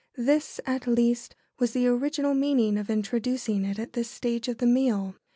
This, at least, was the original meaning of introducing it at this stage of the meal.